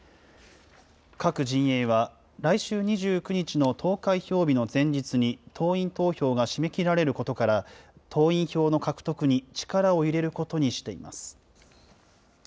各陣営は、来週２９日の投開票日の前日に党員投票が締め切られることから、党員票の獲得に力を入れることにしています。